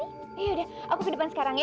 yaudah aku ke depan sekarang ya